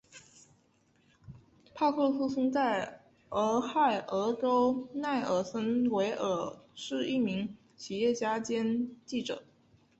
帕克出生在俄亥俄州奈尔森维尔是一名企业家兼记者。